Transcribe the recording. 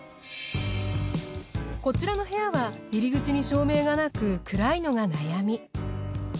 こちらの部屋は入り口に照明がなく暗いのが悩み。